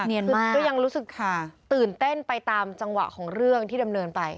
คือก็ยังรู้สึกตื่นเต้นไปตามจังหวะของเรื่องที่ดำเนินไป